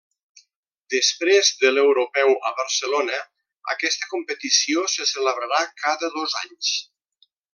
Després de l'Europeu a Barcelona, aquesta competició se celebrarà cada dos anys.